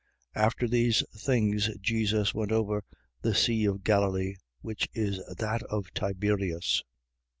6:1. After these things Jesus went over the sea of Galilee, which is that of Tiberias.